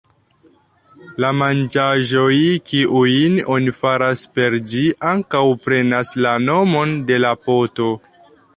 La manĝaĵoj kiujn oni faras per ĝi ankaŭ prenas la nomon de la poto.